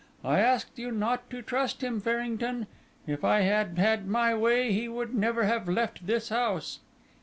I asked you not to trust him, Farrington; if I had had my way, he would never have left this house."